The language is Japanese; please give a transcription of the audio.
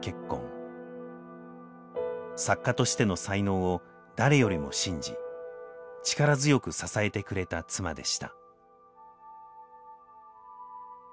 作家としての才能を誰よりも信じ力強く支えてくれた妻でした。